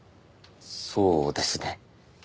そうですね。